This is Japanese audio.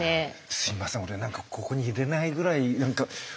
すいません俺なんかここにいれないぐらい何か。